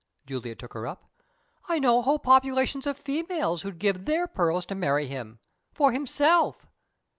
Juliet took her up. "I know whole populations of females who'd give their pearls to marry him, for himself!"